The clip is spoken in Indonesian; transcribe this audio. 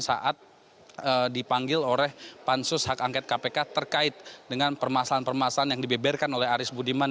dan saat dipanggil oleh pansus hak angket kpk terkait dengan permasalahan permasalahan yang dibeberkan oleh aris budiman